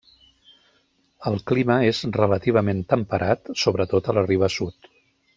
El clima és relativament temperat, sobretot a la riba sud.